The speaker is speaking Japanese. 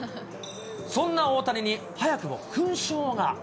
そんな大谷に早くも勲章が。